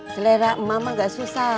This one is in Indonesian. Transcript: selera emak mah gak susah